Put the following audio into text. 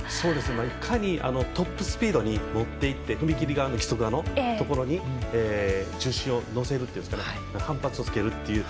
いかにトップスピードに乗っていって踏み切り側のところに重心を乗せるというか反発をつけるという。